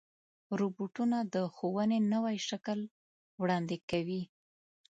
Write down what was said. روبوټونه د ښوونې نوی شکل وړاندې کوي.